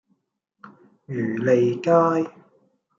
漁利街